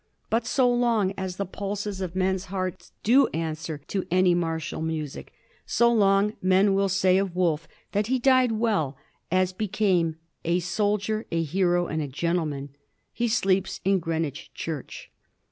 But so long as the pulses of men's hearts do answer to any martial music, so long men will say of Wolfe that he died well as became a soldier, a hero, and a gentleman. He sleeps in Greenwich Church.